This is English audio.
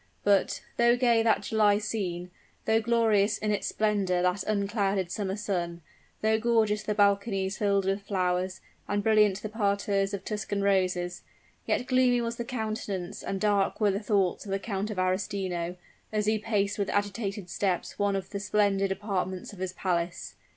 But, though gay that July scene though glorious in its splendor that unclouded summer sun, though gorgeous the balconies filled with flowers, and brilliant the parterres of Tuscan roses, yet gloomy was the countenance and dark were the thoughts of the Count of Arestino, as he paced with agitated steps one of the splendid apartments of his palace.